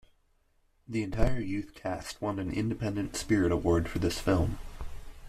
The entire youth cast won an Independent Spirit Award for this film.